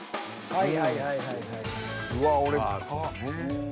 はい。